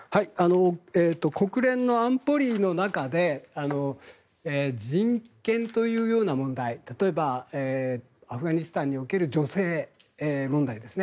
国連の安保理の中で人権というような問題例えば、アフガニスタンにおける女性問題ですね。